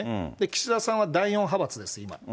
岸田さんは第４派閥です、今。